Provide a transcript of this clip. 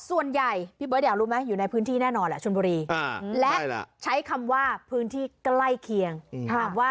ว่ากรุงเทพฯใกล้เคียงป่ะ